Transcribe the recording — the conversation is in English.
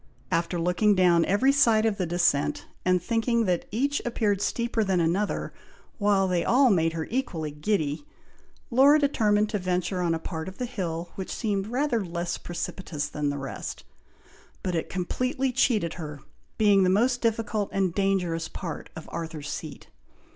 After looking down every side of the descent, and thinking that each appeared steeper than another, while they all made her equally giddy, Laura determined to venture on a part of the hill which seemed rather less precipitous than the rest; but it completely cheated her, being the most difficult and dangerous part of Arthur's Seat.